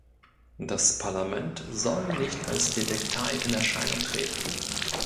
Das Parlament soll nicht als Detektei in Erscheinung treten.